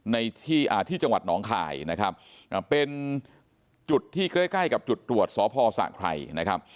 ที่จังหวัดหนองคายนะครับเป็นจุดที่ใกล้ใกล้กับจุดตรวจสพสะไครนะครับ